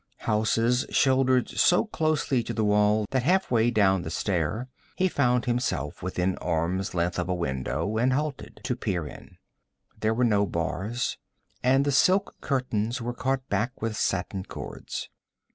Houses shouldered so closely to the wall that half way down the stair he found himself within arm's length of a window, and halted to peer in. There were no bars, and the silk curtains were caught back with satin cords.